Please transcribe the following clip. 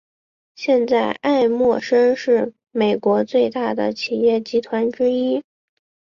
现在艾默生是美国最大的企业集团之一。